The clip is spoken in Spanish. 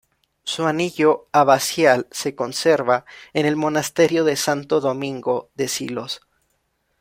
Su anillo abacial se conserva en el monasterio de Santo Domingo de Silos.